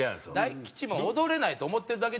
大吉も踊れないと思ってるだけじゃない？